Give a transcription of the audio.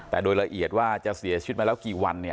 แต่โดยละเอียดว่าจะเสียชีวิตมาแล้วกี่วัน